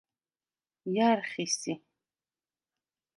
ჲა̈რ ხი სი?